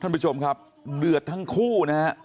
ท่านผู้ชมครับเดือดทั้งคู่นะฮะ